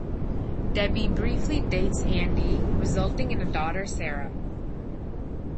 Debbie briefly dates Andy, resulting in a daughter Sarah.